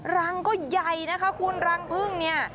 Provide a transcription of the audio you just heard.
รังก็ใหญ่นะคะคุณรังพึ่งเนี่ย